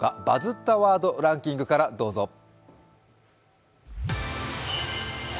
「バズったワードランキング」からどうぞ。